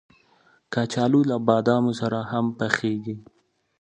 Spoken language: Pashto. کچالو له بادامو سره هم پخېږي